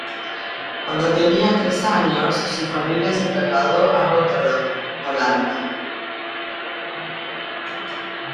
Cuando tenía tres años, su familia se trasladó a Rotterdam, Holanda.